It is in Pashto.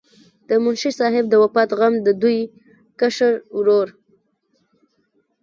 د منشي صاحب د وفات غم د دوي کشر ورور